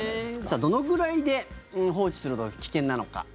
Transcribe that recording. さあ、どのくらいで放置すると危険なのか。